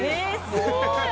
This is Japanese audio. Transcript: すごい。